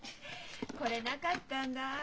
これなかったんだ。